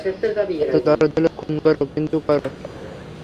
এতো দরদ হলে খুন করো, কিন্তু কর!